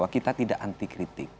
kita tidak anti kritik